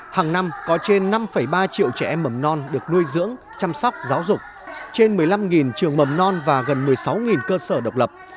hàng năm có trên năm ba triệu trẻ em mầm non được nuôi dưỡng chăm sóc giáo dục trên một mươi năm trường mầm non và gần một mươi sáu cơ sở độc lập